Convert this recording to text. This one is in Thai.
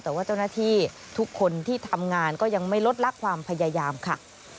แต่ว่าเจ้าหน้าที่ทุกคนที่ทำงานก็ยังไม่ลดลักความพยายามค่ะ